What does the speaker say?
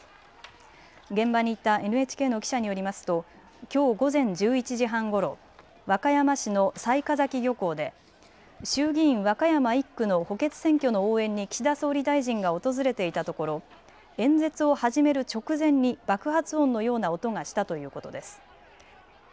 現場にいたＮＨＫの記者によりますと、きょう午前１１時半ごろ、和歌山市の雑賀崎漁港で衆議院和歌山１区の補欠選挙の応援に岸田総理大臣が訪れていたところ演説を始める直前に爆発音のような音がしたということです。